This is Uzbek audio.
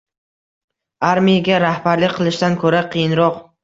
Armiyaga rahbarlik qilishdan ko‘ra qiyinroq.